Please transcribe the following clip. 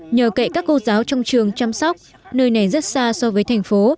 nhờ kệ các cô giáo trong trường chăm sóc nơi này rất xa so với thành phố